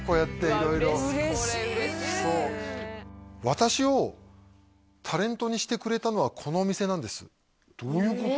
私をタレントにしてくれたのはこのお店なんですどういうこと？